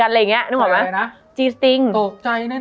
มันทำให้ชีวิตผู้มันไปไม่รอด